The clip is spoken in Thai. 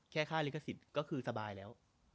แค่ค่าลิขสิทธิ์ก็คือสบายแล้ว